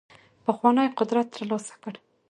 پخوانی قدرت ترلاسه کړ.